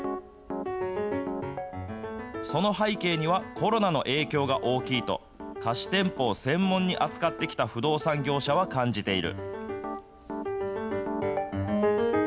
その背景にはコロナの影響が大きいと、貸店舗を専門に扱ってきた不動産業者は感じている。